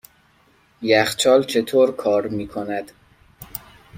یخچال چطور کار میکند؟